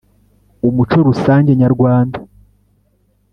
umuco rusange nyarwanda